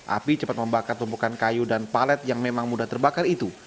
api cepat membakar tumpukan kayu dan palet yang memang mudah terbakar itu